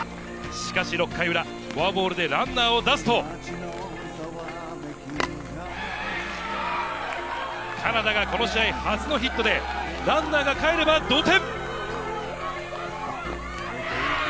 しかし６回裏、フォアボールでランナーを出すと、カナダがこの試合初のヒットでランナーがかえれば同点。